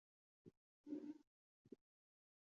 贾宝玉则总是敬陪末座。